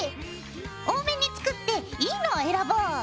多めに作っていいのを選ぼう。